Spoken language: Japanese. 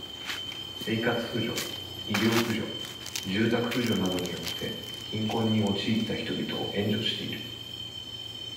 生活扶助、医療扶助、住宅扶助などによって、貧困に陥った人々を、援助している。